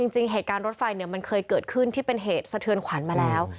เหตุการณ์รถไฟมันเคยเกิดขึ้นที่เป็นเหตุสะเทือนขวัญมาแล้ว